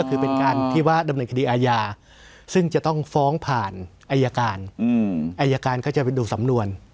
คือเป็นการที่ว่าดำเนินคดีอาญาซึ่งจะต้องฟ้องผ่านอายการอายการก็จะไปดูสำนวน